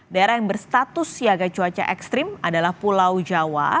daerah yang berstatus siaga cuaca ekstrim adalah pulau jawa